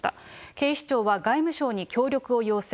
警視庁は外務省に協力を要請。